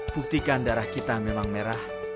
buktikan darah kita memang merah